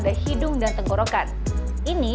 dan juga penyelidikan